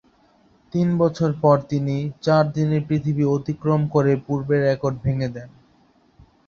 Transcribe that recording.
তিন বছর পর তিনি চার দিনে পৃথিবী অতিক্রম করে পূর্বের রেকর্ড ভেঙ্গে দেন।